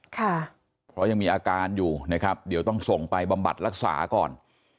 ค่ะเพราะยังมีอาการอยู่นะครับเดี๋ยวต้องส่งไปบำบัดรักษาก่อน